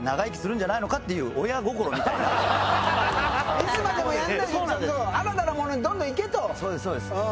いつまでもやらないで新たなものにどんどん行け！